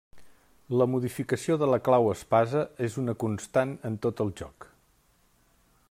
La modificació de la clau espasa és una constant en tot el joc.